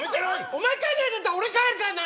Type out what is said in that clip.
おまえ、帰んないんだったら俺、帰るからな。